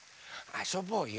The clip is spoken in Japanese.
あそぼうよ！